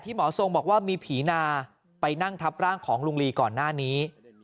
หมอทรงบอกว่ามีผีนาไปนั่งทับร่างของลุงลีก่อนหน้านี้